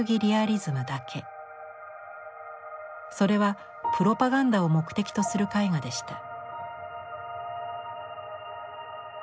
それはプロパガンダを目的とする絵画でした。